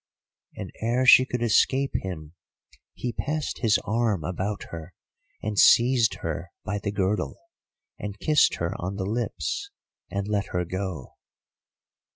And ere she could escape him, he passed his arm about her and seized her by the girdle, and kissed her on the lips and let her go.